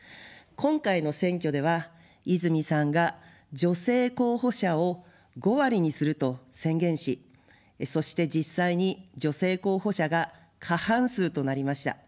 今回の選挙では泉さんが女性候補者を５割にすると宣言し、そして実際に女性候補者が過半数となりました。